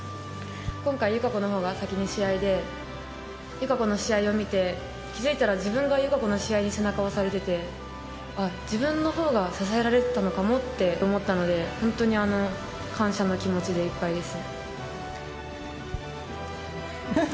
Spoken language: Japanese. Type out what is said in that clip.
今回、友香子のほうが先に試合で、友香子の試合を見て、気付いたら自分が友香子の試合に背中を押されてて、ああ、自分のほうが支えられてたのかもって思ったので、本当に感謝の気持ちでいっぱいです。